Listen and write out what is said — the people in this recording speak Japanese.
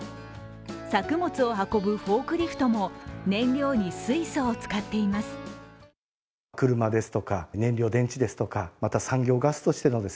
作物を運ぶフォークリフトも燃料に水素を使っています。